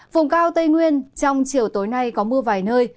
vùng cao tây nguyên trong chiều tối nay có mưa vài nơi